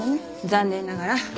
残念ながら。